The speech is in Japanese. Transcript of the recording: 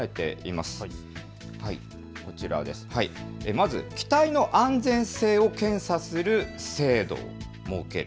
まず機体の安全性を検査する制度を設ける。